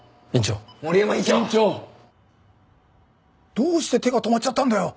どうして手が止まっちゃったんだよ！？